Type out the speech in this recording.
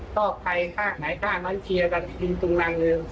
ก็ไพลค่าไหนก่อนน้านเชียวชูชึงรังเงิน